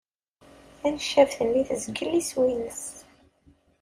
Taneccabt-nni tezgel iswi-nnes.